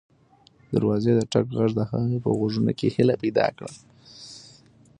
د دروازې د ټک غږ د هغې په غوږونو کې هیله پیدا کړه.